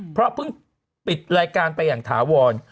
เพราะเพิ่งปิดรายการไปอย่างถาวร